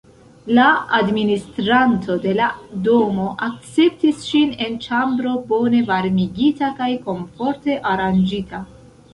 La administranto de la domo akceptis ŝin en ĉambro bone varmigita kaj komforte aranĝita.